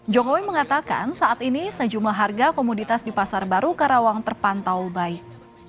jokowi mengatakan saat ini sejumlah harga komoditas di pasar baru karawang terpantau baik